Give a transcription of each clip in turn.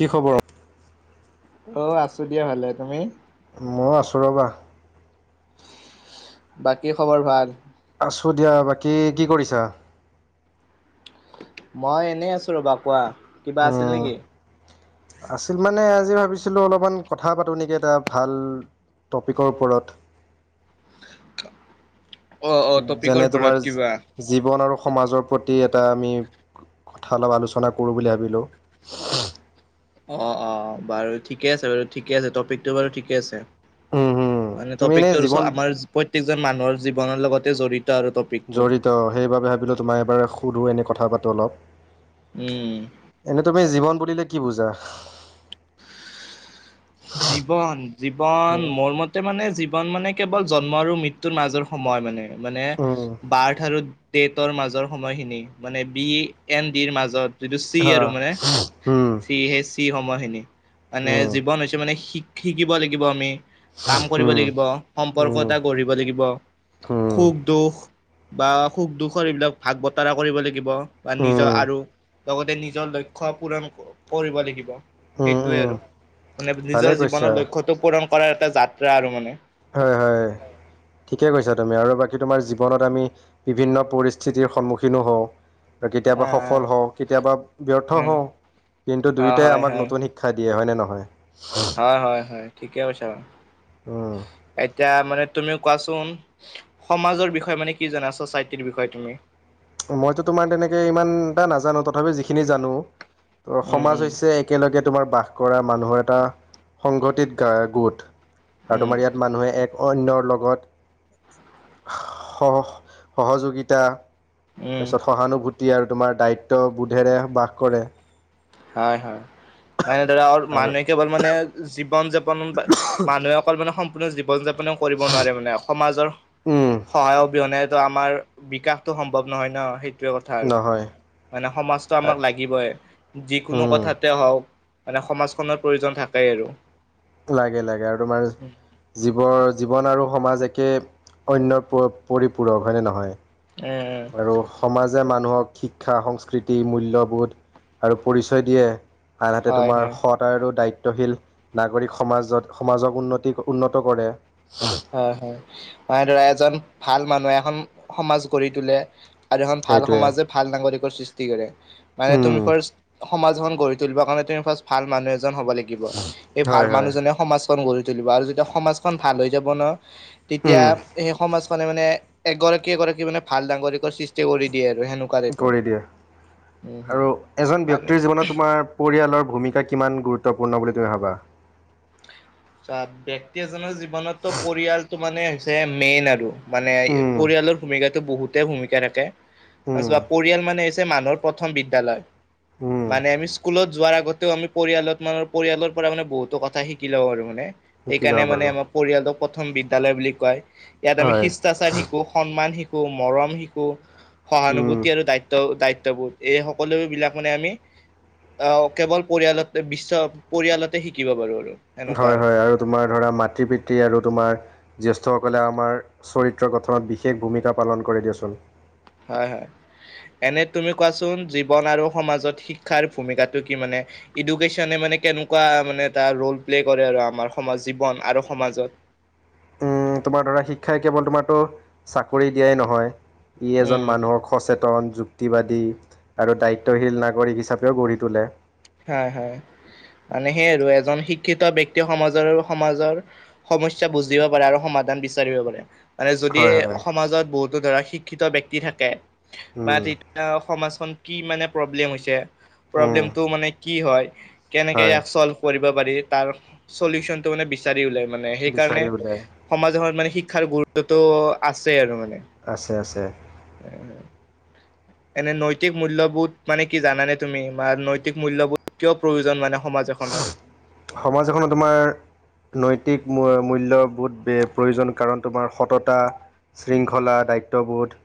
কি খবৰ অ আছো দিয়া ভালে তুমি মই আছোঁ ৰ'বা। বাকী খবৰ ভাল? আছো দিয়া। বাকী কি কৰিছা? মই এনেই আছো ৰবা কোৱা। কিবা আছিল উম, নেকি? আছিল মানে আজি ভাবিছিলো অলপমান কথা পাতো নেকি এটা ভাল টপিকৰ ওপৰত। অ অ টপিকৰ যেনে ওপৰত তোমাৰ কিবা জীৱন আৰু সমাজৰ প্ৰতি এটা আমি কথা অলপ আলোচনা কৰোঁ বুলি ভাবিলোঁ। অ অ বাৰু ঠিকে আছে বাৰু ঠিকে আছে টপিকটো বাৰু ঠিকে আছে। উম, হুম, মানে তুমি এনেই টপিকটোৰ ওচৰত জীৱন আমাৰ প্ৰত্যেকজন মানুহৰ জীৱনৰ লগতে জড়িত। আৰু টপিকটো জড়িত সেইবাবে ভাবিলো তোমাক এবাৰ সুধোঁ এনেই কথা পাতো অলপ। উম এনে তুমি জীৱন বুলিলে কি বুজা। জীৱন জীৱন উম, মোৰ মতে মানে জীৱ ন মানে কেৱল জন্ম আৰু মৃত্যুৰ মাজৰ সময় মানে মানে উম, বাৰ্থ আৰু ডেটৰ মাজৰ সময়খিনি মানে বি এন ডিৰ মাজত। যিটো চি হা, আৰু মানে উম, চি সে চি। সময়খিনি মানে উম, জীৱন হৈছে মানে শিক শিকিব লাগিব আমি কাম কৰিব উম, উম, লাগিব সম্পৰ্ক উম, এটা গঢ়িব লাগিব উম, সুখ -দুখ বা সুখ- দুখৰ এইবিলাক ভাগ -বতৰা কৰিব লাগিব বা উম, নিজৰ আৰু লগতে নিজৰ লক্ষ্য পূৰণ কৰিব লাগিব উম। সেইটোৱে উম। আৰু। মানে ভালে নিজৰ কৈছা জীৱনৰ লক্ষ্যটো পূৰণ কৰাৰ এটা যাত্ৰা আৰু মানে। হয় হয়। ঠিকেই কৈছা তুমি আৰু বাকী তোমাৰ জীৱনত আমি বিভিন্ন পৰিস্থিতিৰ সন্মুখীনো হওঁ। আৰু অ অ কেতিয়াবা সফল হওঁ কেতিয়াবা ব্যৰ্থ উম হওঁ। কিন্তু হয় দুয়োটাই হয় আমাক হয় নতুন শিক্ষা দিয়ে হয় নে নহয়? হয়- হয়- হয় ঠিকে কৈছা বাৰু উম, এতিয়া মানে তুমিও কোৱা? চোন সমাজৰ বিষয়ে মানে কি জানা চচাইতিৰ বিষয়ে তুমি। মইতো তোমাৰ তেনেকে ইমান এটা নাজানো তথাপি যিখিনি জানো। ত উম সমাজ উম হৈছে একেলগে তোমাৰ বাস কৰা মানুহৰ এটা সংঘটিত গোট আৰু উম তোমাৰ ইয়াত মানুহে এক অন্যৰ লগত সহ সহযোগিতা। উম, তাৰপিছত সহানুভূতি আৰু তোমাৰ দায়িত্ব বোধেৰে বাস কৰে হয় হয়। এনেদৰে আৰু মানুহে কেৱল মানে জীৱন যাপন বা মানুহে অকল মানে সম্পূৰ্ণ জীৱ ন যাপন কৰিব নোৱাৰে মানে সমাজৰ উম, সহায় অবিহনে। ত আমাৰ বিকাশটো সম্ভৱ নহয় ন সেইটোৱে। কথা আৰু নহয় মানে সমাজটো আমাক আ- লাগিবই যিকোনো উম কথাতে হওঁক। মানে সমাজখনৰ প্ৰয়োজন থাকেই আৰু লাগে -লাগে আৰু তোমাৰ উম জীৱ জীৱন আৰু সমাজ এক টেপ, অন্য প পৰিপূৰক হয়নে নহয়? উম আৰু সমাজে মানুহক শিক্ষা সংস্কৃতি মূল্যবোধ আৰু পৰিচয় দিয়ে। আনহাতে হয় তোমাৰ হয় সদ আৰু দায়িত্ব শীল নাগৰিক সমাজত সমাজক উন্নতি উন্নত কৰে। হয় হয় মই ধৰা এজন ভাল মানুহে এখন সমাজ গঢ়ি তোলে আৰু এখন ভাল সেইটোৱে সমাজে ভাল নাগৰিকৰ সৃষ্টি কৰে, মানে উম তুমিৰ ফাৰ্ষ্ট সমাজখন গঢ়ি তুলিব কাৰণে তুমি ফাৰ্ষ্ট ভাল মানুহ এজন হ'ব লাগিব, এই ভাল হয় হয় মানুহজনে সমাজখন গঢ়ি তুলিব আৰু যেতিয়া সমাজ খন ভাল হৈ যাব ন, তেতিয়া উম এই সমাজখন। খনে মানে এগৰাকী এগৰাকী মানে ভাল ডাঙৰিকৰ সৃষ্টি কৰি দিয়ে। আৰু সেনেকুৱা টাইপৰ কৰি দিয়ে উম হম আৰু এজন মানে ব্যক্তিৰ জীৱনত তোমাৰ পৰিয়ালৰ। ভূমিকা কিমান গুৰুত্বপূৰ্ণ বুলি তুমি ভাবা? চাহ ব্যক্তি এজনৰ জীৱনত ট পৰিয়ালতটো মানে হৈছে মেইন আৰু মানে পৰিয়- উম পৰিয়ালৰ ভূমিকা বহুতে ভূমিকা ৰাখে। অ উম চোৱা পৰিয়াল মানে হৈছে মানুহৰ প্ৰথম বিদ্যালয়। উম মানে আমি স্কুলত যোৱাৰ আগতেও আমি পৰিয়ালত মান পৰিয়ালৰ পৰা মানে বহুতো কথা শিকি লওঁ আৰু। শিকি যাব সেইকাৰণে মানে পাৰোঁ আমাৰ পৰিয়ালটো প্ৰথম বিদ্যালৈ বুলি কয়। ইয়াত আমি হয় শিষ্টাচাৰ শিকো, সন্মান শিকো, মৰম শিকো, উম, সহানুভূতি আৰু দায়িত্ব দায়িত্ববোধ এই সকলো বিলাক মানে আমি, আহ কেৱল পৰিয়ালতে বিশ্ব পৰিয়ালতে শিকিব পাৰু আৰু। হয় হয় আৰু। তোমাৰ ধৰা মাতৃ পিতৃ আৰু তোমাৰ গৃহস্থসকলে আমাৰ চৰিত্ৰ গঠনত বিশেষ ভূমিকা প- পালন কৰে দিয়াচোন। হয় হয় এনে তুমি কোৱাচোন জীৱন আৰু সমাজত শিক্ষাৰ ভূমিকাটো কি মানে? এডুকেশ্যন মানে কেনেকুৱা মানে এটা ৰল প্লে কৰে আৰু আমাৰ সম জীৱন আৰু সমাজত? উম উ তোমাৰ ধৰা শিক্ষাই কেৱল তোমাৰতো চাকৰি দিয়াই নহয়, ই এজন উম মানুহৰ খচেত ন যুক্তিবাদী আৰু দায়িত্বশীল নাগৰিক হিচাপেও গঢ়ি তোলে। হয় হয়। মানে সেইয় আৰু এজন শিক্ষিত ব্যয়ক্তিয়ে সমাজৰ সমাজৰ সমস্যা বুজিব পাৰে আৰু সমাজ- দান বিচাৰিব পাৰে, মানে যদি হয় হয় সমাজত বহুতো ধৰা শিক্ষিত ব্যক্তি থাকে। বা উম, তেতিয়াও সমাজখন কি মানে প্ৰব্লেম হৈছে উম, প্ৰব্লেমটো মানে। কি হয়। কেনেক হয় ইয়াক চলভ কৰিব পাৰি তাৰ চলিউচন টো মানে বিচাৰি ওলাই। মানে সেইকাৰণে বিচাৰি ওলাই সমাজ এখন মানে শিক্ষাৰ গুৰুত্বতটো আছে আৰু মানে। আছে আছে। এনে নৈতিক মূল্যয়বোধ মানে কি জানে তুমি, বা নৈতিক মূল্যবোধ কিয় প্ৰয়োজন মানে? সমাজ এখনত? সমাজ এখনত তোমাৰ নৈ- টিক মূল্য বুধ প্ৰয়োজন কাৰণ তোমাৰ সততা। শৃংখলা দায়িত্ববোধ।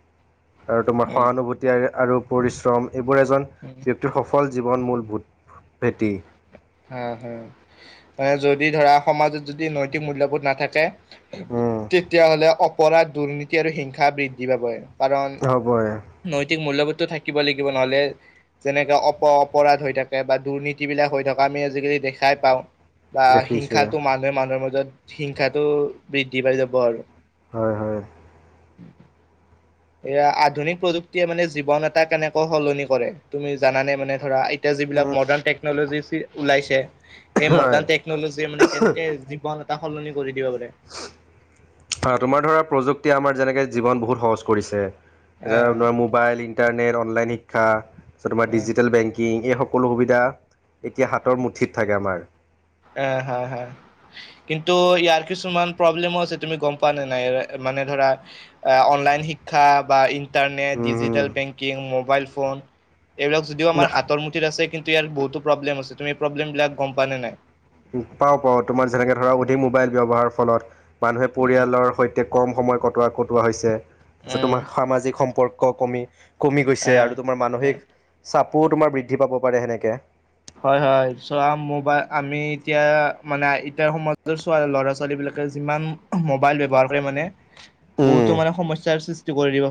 আৰু তোমাৰ উম, সহানুভূতি আৰু পৰিশ্ৰম এইবোৰ এজন উম, ব্যক্তিৰ সফল। জীৱন মূল ভূত ভেটি। হা হা, মানে যদি ধৰা সমাজত যদি নৈতিক মূল্যবোধ নাথাকে? উম তেতিয়া হ'লে অপৰাধ দুৰ্নীতি আৰু হিংসা বৃদ্ধি পাবই। হ'বই। নৈতিক মূল্যবোধটো থা- সিকিব লাগিব নহ'লে যেনেকে অপ অপৰাধ হৈ থাকে বা দুৰ্নীতি বিলাক হৈ থকা আমি আজিকালি দেখা- পাওঁ বা দেখিছোৱে হিংসাটো মানুহে মানুহৰ মাজত হিংসাটো বৃদ্ধি পাই যাব আৰু। হয় হয়। [unintelligible] এয়া আধুনিক প্ৰযুক্তিয়ে মানে জীৱন এটা কেনেকৈ সলনি কৰে তুমি জানানে মানে ধৰা- এতিয়া যিবিলাক উম মডাৰ্ণ টেকনলজি চি ওলাইছে। সেই হয় মডাৰ্ণ টেকনলজিয়ে মানে কেনেকে জীৱন এটা সলনি কৰি দিব পাৰে তোমাৰ ধৰা প্ৰযুক্তিয়ে আমাৰ যেনেকে জীৱন বহুত সহজ কৰিছে। আহ যাৰ মোবাইল ইণ্টাৰনেট অনলাইন শিক্ষা তাৰপিছত তোমাৰ আহ ডিজিটেল বেংকিং। এই সকলো সুবিধা এতিয়া হাতৰ মুঠিত থাকে আমাৰ। অ হয় হয় কিন্তু ইয়াৰ কিছুমান প্ৰব্লেমো আছে তুমি গম পোৱা নে নাই? মানে ধৰা আ অনলাইন শিক্ষা বা- internet digital um banking mobile phone এইবিলাক যদিও আমাৰ হাতৰ মুঠিত আছে কিন্তু- য়াৰ বহুতো প্ৰব্লেম আছে তুম এই প্ৰব্লেম বিলাক গম পানে নাই। উ পাও পাও তোমাৰ যেনেকে ধৰা অধিক মোবাইল ব্যয়হাৰৰ ফলত। মানুহে উম পৰিয়ালৰ সৈতে কম সময় কটোৱা কটোৱা হৈছে তাৰপিছত উম তোমাৰ সামাজিক সম্পৰ্কক। কমি কমি গৈছে আৰু তোমাৰ আহ মানসিক চাপোও তোমাৰ বৃদ্ধি পাব পাৰে সেনেকে। হয় হয় চ মবাই আমি এতিয়া মানে এতিয়া সমাজ ল'ৰা ছোৱালী বিলাক যিমান মোবাইল ব্য্ৱহাৰ মানে উম বহুতো মানে সমস্যৰ সৃষ্টি কৰি দিব।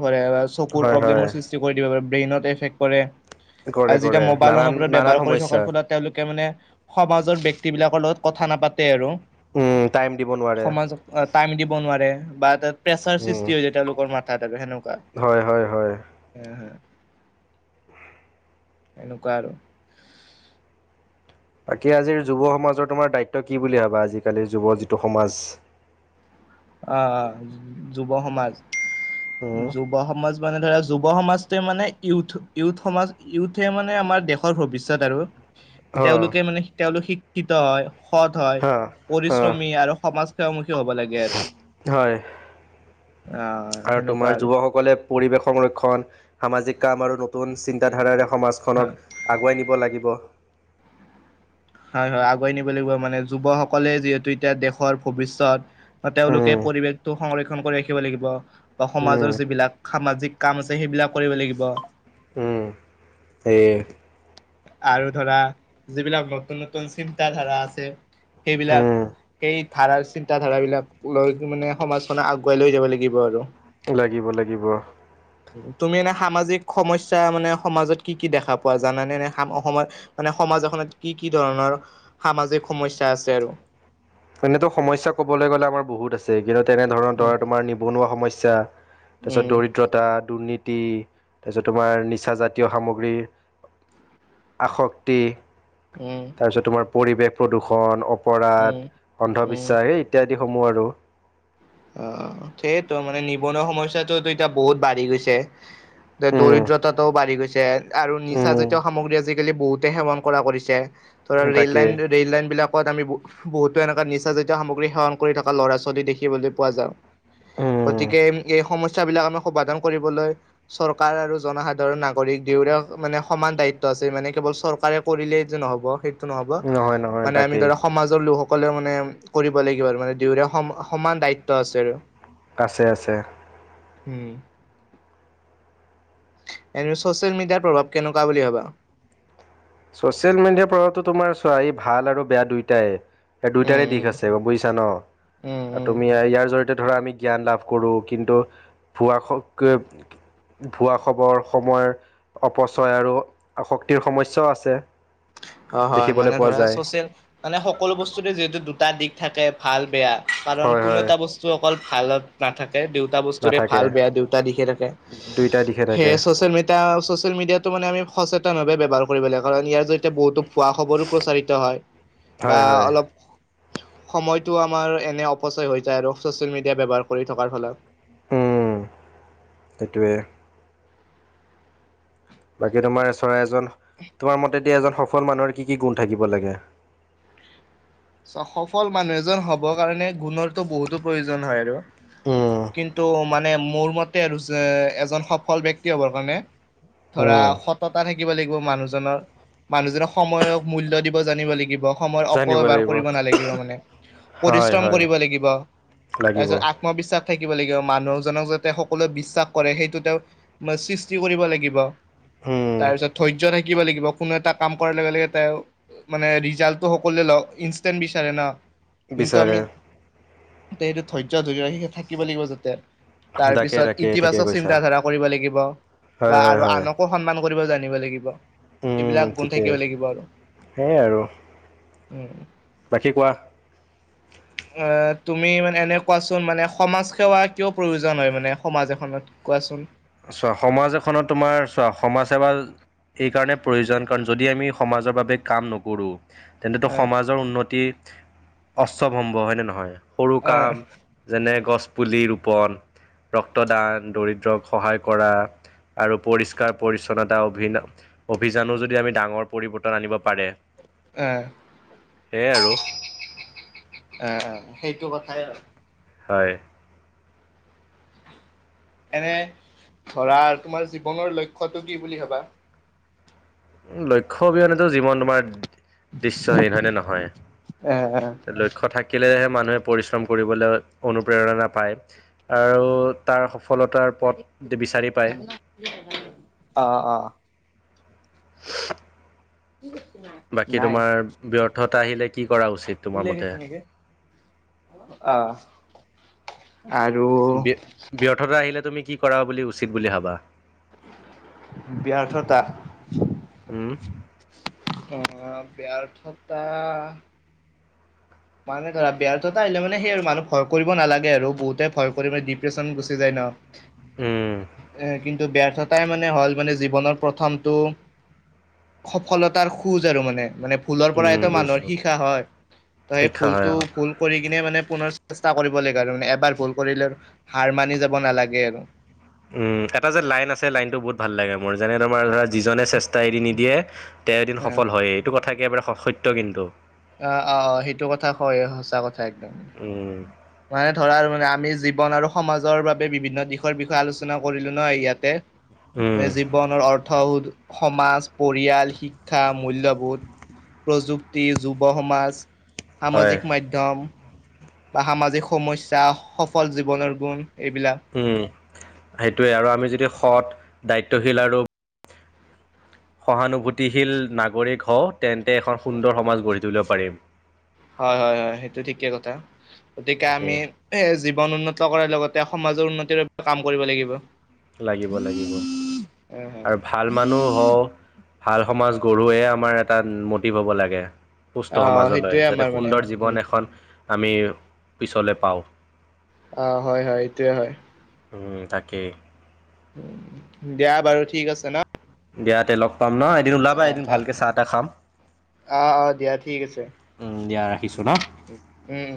হয় হয় চকুৰ্ৃষ্ট কৰি দিব প ব্ৰেইনত এফক্ কৰে। কৰে আৰু যেতিয়া কৰে মোবাইলৰ নানান ওপৰত নানান ব্যৱহাৰ। কৰি থকাৰ সমস্যা ফলত তেওঁলোকে মানে সমাজৰ ব্যক্তিবিলাকৰ লগত কথা নাপাতে আৰু। উম টাইম দিব নোৱাৰে সমাজক টাইম দিব নোৱাৰে। বা তাত প্ৰেছাৰ উম সৃষ্টি হৈ যায় তেওঁলোকৰ মাথাত আৰু সেনেকুৱা হয় হয় হয় হ হ। এনেকুৱা আৰু। বাকী আজিৰ যুৱ সমাজৰ তোমাৰ দায়িত্ব কি বুলি ভাবা আজিকালি যুৱ যিটো সমাজ। অ যুৱ সমাজ উম যুৱ সমাজ। মানে ধৰা যুৱ সমাজটোৱে মানে ইথ ইথ সমাজ ইউথে মানে আমাৰ দেশৰ ভৱিষ্যয়ত আৰু। হ তেওঁলোকে মানে তেওঁলোক শিক্ষিত হয় সৎ হ হয় হ পৰিশ্ৰমী আৰু সমাজ। মুখমুখী হ'ব লাগে আৰু। হয়। আহ আৰু সেনেকুৱা তোমাৰ যুৱকসকলে পৰিৱেশ সংৰক্ষণ সামাজিক কাম আৰু নতুন চিন্তা। হাধাৰাৰে সমাজখনক হয় আগুৱাই নিব লাগিব? হয় হয় আগুৱাই নিব লাগিব মানে যুৱ সকলে যিহেতু এতিয়া দেশৰ ভৱিষ্যত উম, তেওঁলোকে? সংৰক্ষণ কৰি ৰাখিব লাগিব বা উম, সমাজৰ যিবিলাক সামাজিক কাম আছে সেইবিলাক কৰিব লাগিব? উ এই আৰু ধৰা যিবিলাক নতুন নতুন চিন্তা ধাৰা আছে সেইবিলাক উম, সেই ধাৰা চিন্তা ধাৰাাবলাক লৈ মানে সমাজখনে আগুৱাই লৈ যাব লাগিব আৰু। লাগিব লাগিব? তুমি এনে সামাজিক সমস্যা মানে সমাজত কি কি দেখা পোৱা জানানে নে। অসমৰ মানে সমাজ এখনত কি কি ধৰণৰ সামাজিক সমস্যা আছে আৰু। এনেতো সমস্যা ক'বলৈ গ'লে আমাৰ বহুত আছে। কিন্তু তেনেধৰণৰ উম ধৰা তোমাৰ নিবনুৱা সমস্যা তাৰপিছত উম দৰিদ্ৰতা দুৰ্নীতি তাৰপিছত তোমাৰ নিচ জাতীয় সামগ্ৰীৰ আসক্তি। উম তাৰপিছত তোমাৰ পৰিৱেশ প্ৰদূষন উম অপৰাধ উম অন্ধবিশ্বাস এই ইত্যাদি? সমূহ আৰু। অ সেইটোো মানে নিবনুৱা সমস্যটো এতিয়া বহুত বাঢ়ি গৈছে। উম, দৰিদ্ৰতাটোও বাঢ়ি গৈছে আৰু নিচাজাতীয় উম, সামগ্ৰী আজিকালি বহুতে সেৱন কৰা কৰিছে? ত ৰেল তাকে লাইন ৰেল লাইন বিলাকত আমি। বহুতো এনেককা নিচ জাতীয় সামগ্ৰী সেৱন কৰি থকা ল'ৰা ছোৱালী দেখিবলৈ পোৱা যায়। উম। গতিকে। এই সমস্যাাবলাক আমি সমাধান কৰিবলৈ চৰকাৰ আৰু জনসাধাৰণ নাগৰিক দুয়োৰে মানে সম। দায়িত্ব আছে মানে কেৱল চৰকাৰে কৰিলে যে নহ'ব সেই। নহব নহয় নহয় মানে আমি তাকেই ধৰক সমাজৰ লোকস সকলে মানে কৰিব লাগিব আৰু মানে দুউ সমান দায়িত্ব আছে আৰু আছে আছে। উম। এনে ছ'চিয়েল মিডিয়াৰ প্ৰভাৱ কেনেকুৱা বুলি ভবা। ছচিয়েল মিডিয়াৰ পৰাতো তোমাৰ ছোৱালী ভাল আৰু বেয়া দুয়টাই। এই উম দুইটাৰে দিশ উম আছে বুজিছা ন উম উম তুমি ইয়াৰ জৰিয়তে ধৰা আমি জ্ঞান লাভ কৰোঁ কিন্তু ভুৱাক। ভুৱা খবৰ সময়ৰ অপচয় আৰু আ শক্তিৰ সমস্যাও আছে। হয় হয় দেখিবলৈ মানে পোৱা ধৰা যায় চচিয়েল মানে সকলো বস্তুতে যিহেতু দুটা দিশ থাকে ভাল বেয়া।। কাৰণ হয় কোনো হয় এটা বস্তু অকল ভালত নাথাকে দুইতা বস্তুৰে নাথাকে ভাল বেয়া দুইতা দিখে থাকে দুইটা দিশে থাকে সেয়ে ছচিয়েল মডিয়া চচিয়েল মিডিয়াটো মানেমি সচেতনাৱে ব্যৱহাৰ কৰিব লাগে কাৰণ ইয়াৰ জৰিয়তে বহুতো খোৱা খবৰো প্ৰচাৰিত হয় বা হয় হয় অলপ সময়তটো আমাৰ এনে অপচয় হৈ যায় আৰু ছচিয়েল মিডিয়া ব্যৱহাৰ কৰি থকাৰ ফলত উম সেইটোৱে। বাকী তোমাৰ চৰাই এজন তোমাৰ মতে এতি এজন সফল মানুহৰ কি কি গুণ থাকিব লাগে [inaudible] সফল মানুহ এজন হব কাৰণে গুণৰতো বহুতো প্ৰয়োজন হয় আৰু উম কিন্তু মানে মোৰ মতে আৰু এজন সফল ব্যক্তি হ'বৰ কাৰণে ধৰা উম সততা ধিক। থাকিব লাগিব মানুহজনৰ মানুহজনক সময়ক মূল্য দিব জানিব লাগিব সময়ৰ জানিব অপব্যৱহাৰ লাগিব কৰিব নালাগিব মানে হয় পৰিশ্ৰম হয় কৰিব লাগিব লাগিব তাৰপিছ আত্মবিশ্বাস থাকিব লাগিব মানুহজনক যাতে সকলোৱে বিশ্বাস কৰে সেইটো তেওঁ সৃষ্টি কৰিব লাগিব উম তাৰপিছত ধৰ্য থাকিব লাগিব কোনো এটা কাম কৰাৰ লগে লগে মানে ৰিজাল্টটো সকল লক ন বিচাৰে ন। বিচাৰে তাতে সেইটো ধৰ্য ধৰি সেই থাকিব লাগিব যাতে তাকে তাৰপিছত তাকে ঠিকে ইতিবাচক কৈছা চিন্ত ধাৰা কৰিব লাগিব হয় বা হয় আৰু হয় আনকো সন্মান কৰিব জানিব লাগিব। উম এইবিলাক গুণ ঠিকে থাকিব লাগিব আৰু সেয়াই আৰু উম বাকী কোৱা অ তুমি মানে এনে কোৱাচোন মানে সমাজ সেৱা কিয় প্ৰয়োজন হয় মানে সমাজ এখনত কোৱাচোন। চোৱা সমাজ এখনত তোমাৰ চোৱা সমাজ সেৱা এই কাৰণে প্ৰয়োজন কাৰণ যদি আমি সমাজৰ বাবে কাম নকৰোঁ তেন্তেটো আহ সমাজৰ উন্নতি অশ্বভম্ব হয় নে নহয় সৰু আহ কাম যেনে গছ পুলি ৰোপন ৰক্তদান দৰিদ্ৰক সহায় কৰা আৰু পৰিষ্কাৰ পৰি্ছন্নতা অ অভিযানো যদি আমি ডাঙৰ পৰিবৰ্তন আনিব পাৰে আহ সেয়াই আৰু আহ আহ সেইটো কথাই আৰু হয় এনে ধৰা তোমাৰ জীৱনৰ লক্ষ্য়টো কি বুলি ভাবা লক্ষ্য অবিহনেতটো জীৱন তোমাৰ দৃশ্যহীন হয় নে আহ নহয় লক্ষ্য থাকিলেহে মানুহে পৰিশ্ৰম কৰিবলৈ অনুপ্ৰেৰণা পায় আৰু তাৰ সফলতাৰ পথ বিচাৰি পায় অ অ। বাকী নাই তোমাৰ ব্যৰ্থতা আহিলে কি কৰা উচিত তোমাৰ মতে [inaudible] আহ ব্যৰ্থতা আহিলে তুমি কি কৰা বুলি উচিত বুলি ভাবা। ব্যৰ্থতা উম অ ব্যৰ্থতা মানে ধৰা ব্যৰ্থতা এনে মানে সেই আৰু মানুহ ভয় কৰিব নালাগে আৰু বহুতে ভয় কৰি মানে ডিপ্ৰেচন গুচি যায় ন। উম এ কিন্তু ব্যৰ্থতাই মানে হল মানে জীৱনৰ প্ৰথমটো। সফলতাৰ খুজ আৰু মানে মানে ভুলৰ পৰা উম টো মানুহে বুজিছো শিকা হয় ত সেই শিক্ষা হয় ভুলতটো অ ভুল কৰি এনে মানে পুনৰ চেষ্টা কৰিব লাগে আৰু মানে এবাৰ ভুল কৰিলে আৰু হাৰ মানি যাব নালাগে আৰু উম এটা যে লাইন আছে লাইনতটো বহুত ভাল লাগে মোৰ যেনে তোমাৰ ধৰা যিজনে চেষ্টা এৰি নিদিয়ে তে এদিন অ', সফল হয় এইটো কথা একেবাৰে সত্য কিন্তু। অ অ অ সেইটো কথা ক সঁচা কথা একদম উম, মানে ধৰ মানে। আমি জীৱন আৰু সমাজৰ বাবে বিভিন্ন দিশৰ বিষয়ে আলোচনা কৰিলো ন ইয়াতে- ন উম, জি্বানৰ অথাউ সমাজ পৰিয়াল শিক্ষা মূল্যবোধ প্ৰযুক্তি যুৱ সমাজ হয়। সামাজিক মাধ্যম। বা সামাজিক সমস্যা সফল জীৱনৰ গুণ- এইবিলাক উম সেইটোৱে আৰু আমি যদি সৎ দায়িত্বশীল আৰু সহানুভূতিশীল নাগৰিক হওঁ তেন্তে এখন সুন্দৰ সমাজ গঢ়ি তুলিব পাৰিম হয় হয় হয় সেইটো ঠিকে কথা গতিকে তাকে আমি এ। বন উন্নত কৰাৰ লগতে সমাজৰ উন্নতিৰ বাবে কাম কৰিব লাগিব। লাগিব লাগিব হয় হয় আৰু ভাল মানুহ হওঁ- ভাল সমাজ গঢ়য়ে আমাৰ এটা মটিভ হব লাগে। পুষ্ট আহ সমাজলৈ সেইটোয়ে যাতে আমাৰ মানে সুন্দৰ উম জীৱন এখন আমি পিছলৈ পাওঁ। অ হয় হয় এইটোয়ে হয়। তাকে। দিয়া বাৰু ঠিক আছে ন। বিয়াতে লগ পাম ন এদিন ওলাবা অ এদিন অ ভালকে চাহ এটা খাম। অ অ দিয়া ঠিক আছে উম দিয়া ৰাখিছো ন। উম উম